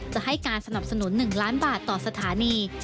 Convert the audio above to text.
จะให้การสนับสนุน๑ล้านบาทต่อสถานี